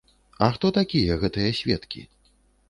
А хто такія гэтыя сведкі?